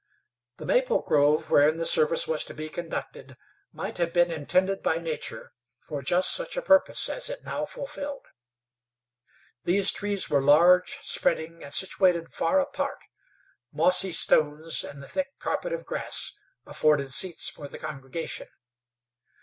The maple grove wherein the service was to be conducted might have been intended by Nature for just such a purpose as it now fulfilled. These trees were large, spreading, and situated far apart. Mossy stones and the thick carpet of grass afforded seats for the congregation.